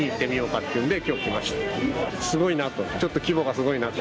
すごいなと。